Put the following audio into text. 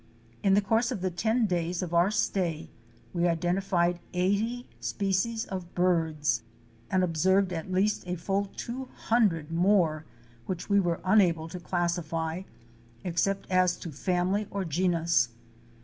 In the course of the ten days of our stay, we identified 80 species of birds, and observed at least a full two hundred more which we were unable to classify except as to family or genus.